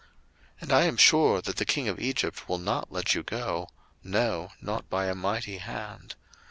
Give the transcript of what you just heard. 02:003:019 And I am sure that the king of Egypt will not let you go, no, not by a mighty hand.